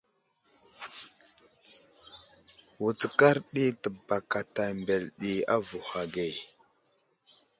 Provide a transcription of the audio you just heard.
Wutskar ɗi təbakata mbele ɗi avohw age.